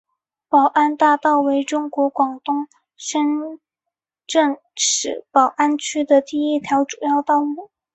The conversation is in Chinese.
宝安大道为中国广东深圳市宝安区的一条主要道路。